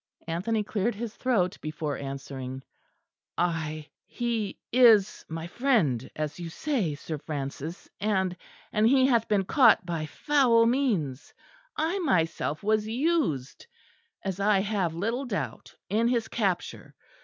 Anthony cleared his throat before answering. "I he is my friend, as you say, Sir Francis; and and he hath been caught by foul means. I myself was used, as I have little doubt, in his capture.